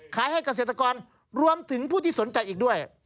ให้เกษตรกรรวมถึงผู้ที่สนใจอีกด้วย